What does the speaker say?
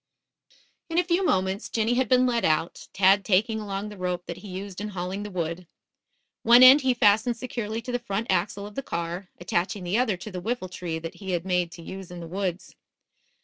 In a few moments Jinny had been led out, Tad taking along the rope that he used in hauling the wood. One end he fastened securely to the front axle of the car, attaching the other to the whiffletree that he had made to use in the woods.